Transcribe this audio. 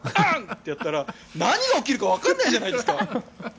とやったら何が起きるかわからないじゃないですか。